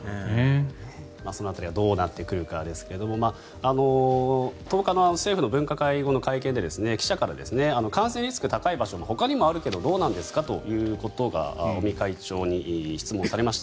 その辺りはどうなってくるかですが１０日の政府の分科会後の会見で記者から感染リスクが高い場所はほかにもありますがどうなんですか？ということが尾身会長に質問されました。